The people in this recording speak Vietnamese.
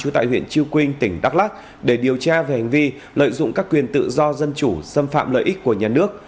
tại huyện chư quynh tỉnh đắk lắc để điều tra về hành vi lợi dụng các quyền tự do dân chủ xâm phạm lợi ích của nhà nước